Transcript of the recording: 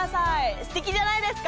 すてきじゃないですか？